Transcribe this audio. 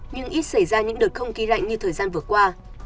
nhưng ít xảy ra những đợt không khí lạnh như thời gian vừa qua